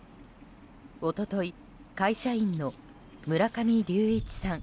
一昨日、会社員の村上隆一さん